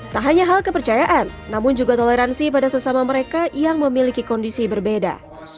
tak hanya hal kepercayaan namun juga toleransi pada sesama mereka yang memiliki kondisi berbeda